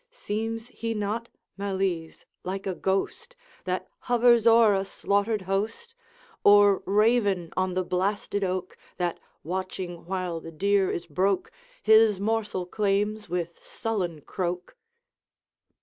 Seems he not, Malise, dike a ghost, That hovers o'er a slaughtered host? Or raven on the blasted oak, That, watching while the deer is broke, His morsel claims with sullen croak?'